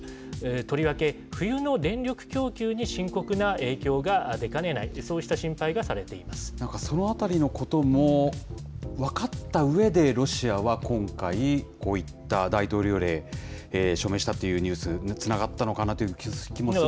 とりわけ冬の電力供給に深刻な影響が出かねない、なんかそのあたりのことも、分かったうえでロシアは今回、こういった大統領令、署名したというニュース、つながったのかなという気もするんです。